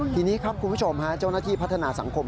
ทีนี้ครับคุณผู้ชมฮะเจ้าหน้าที่พัฒนาสังคม